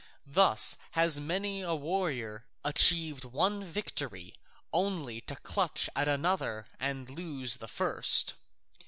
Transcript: Thus has many a warrior achieved one victory only to clutch at another and lose the first.